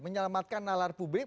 menyelamatkan nalar publik